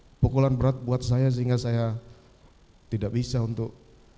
ini pukulan berat buat saya sehingga saya tidak bisa untuk